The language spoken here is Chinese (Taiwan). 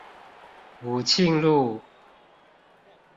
武慶路